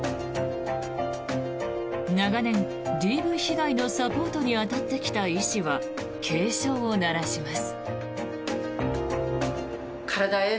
長年、ＤＶ被害のサポートに当たってきた医師は警鐘を鳴らします。